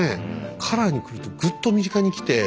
カラーにくるとぐっと身近にきて。